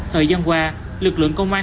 thời gian qua lực lượng công an